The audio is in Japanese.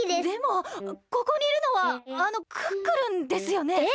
でもここにいるのはあのクックルンですよね？